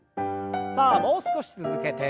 さあもう少し続けて。